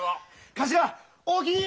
頭おおきに！